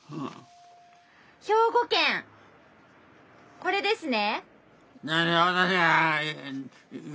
兵庫県これですね。